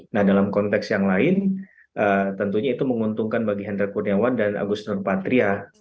nah dalam konteks yang lain tentunya itu menguntungkan bagi hendra kurniawan dan agus nurpatria